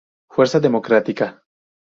Fuerza Democrática